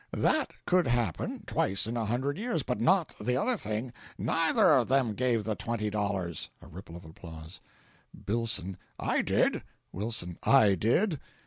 THAT could happen twice in a hundred years but not the other thing. NEITHER of them gave the twenty dollars!" (A ripple of applause.) Billson. "I did!" Wilson. "I did!"